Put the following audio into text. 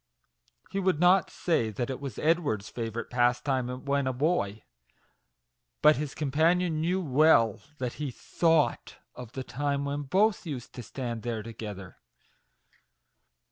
He would not say that it was Ed ward's favourite pastime when a boy, but his companion knew well that he thought of the time when both used to stand there together.